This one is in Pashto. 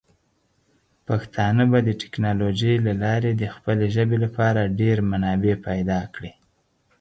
پښتانه به د ټیکنالوجۍ له لارې د خپلې ژبې لپاره ډیر منابع پیدا کړي.